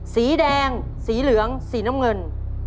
สีแดงสีเหลืองสีน้ำเงิน